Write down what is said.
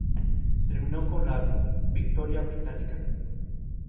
Terminó con la victoria británica.